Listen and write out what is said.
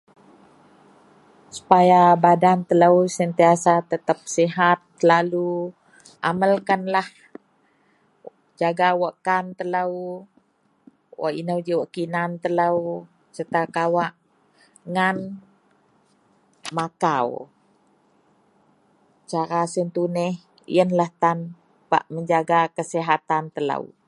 supaya badan telou sentiasa tetap sihat selalu, amalkanlah jaga wakan telou, wak inou ji wak kinan telou, telou serta kawak ngan makau, cara sien tuneh ienlah tan bak mejaga kasihatan telou